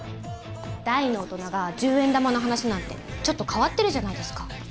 大の大人が１０円玉の話なんてちょっと変わってるじゃないですか。